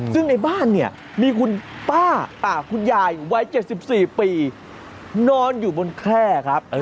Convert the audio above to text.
ซึ่งในบ้านเนี่ยมีคุณป้าคุณยายวัย๗๔ปีนอนอยู่บนแคล่ครับ